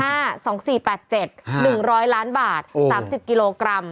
ฮะฮะฮะ๑๐๐ล้านบาท๓๐กิโลกรัม